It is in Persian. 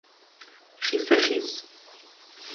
خیسخیس